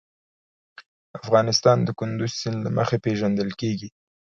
افغانستان د کندز سیند له مخې پېژندل کېږي.